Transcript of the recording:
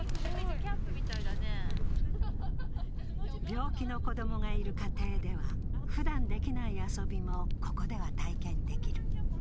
病気の子供がいる家庭では、ふだんできない遊びもここでは体験できる。